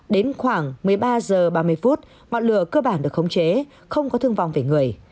đến khoảng một mươi ba h ba mươi phút ngọn lửa cơ bản được khống chế không có thương vong về người